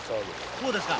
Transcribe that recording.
こうですか？